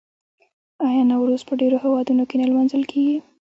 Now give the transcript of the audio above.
آیا نوروز په ډیرو هیوادونو کې نه لمانځل کیږي؟